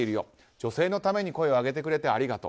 女性のために声をあげてくれてありがとう。